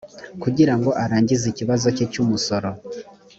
kugira ngo arangize ikibazo cye cy’umusoro